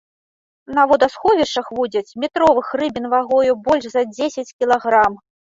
На водасховішчах вудзяць метровых рыбін вагою больш за дзесяць кілаграм.